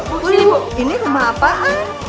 bu bu sini bu ini rumah apaan